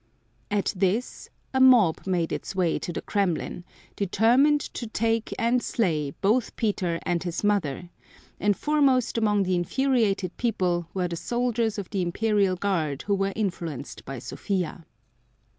At this a mob made its way to the Kremlin, determined to take and slay both Peter and his mother, and foremost among the infuriated people were the soldiers of the Imperial Guard who were influenced by Sophia.